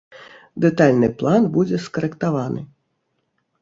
Дэтальны план будзе скарэктаваны.